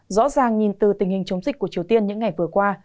rõ ràng nhìn từ tình hình chống dịch của triều tiên những ngày vừa qua